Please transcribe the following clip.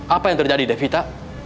apa yang terjadi devita